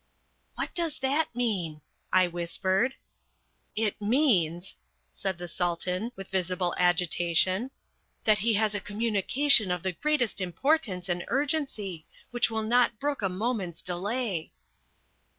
"What does that mean?" I whispered. "It means," said the Sultan, with visible agitation, "that he has a communication of the greatest importance and urgency, which will not brook a moment's delay."